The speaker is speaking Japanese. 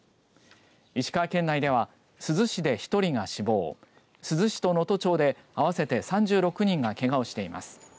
石川県内では珠洲市で１人が死亡珠洲市と能登町で合わせて３６人がけがをしています。